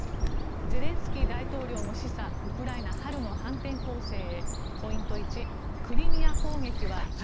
ゼレンスキー大統領も示唆ウクライナ、春の反転攻勢へ。